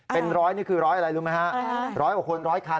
เป็น๑๐๐นี่คือ๑๐๐อะไรรู้ไหมครับ